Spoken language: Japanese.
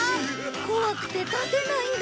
怖くて立てないんだよ。